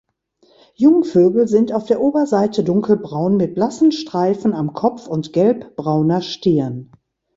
Jungvögel sind auf der Oberseite dunkelbraun mit blassen Streifen am Kopf und gelbbrauner Stirn.